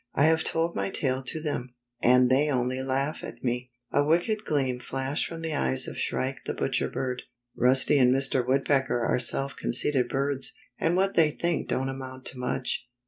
I have told my tale to them, and they only laught at me." A wicked gleam flashed from the eyes of Shrike the Butcher Bird. " Rusty and Mr. Woodpecker are self conceited birds, and what they think don't amount to much.